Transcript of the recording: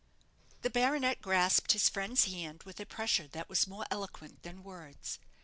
The baronet grasped his friend's hand with a pressure that was more eloquent than words.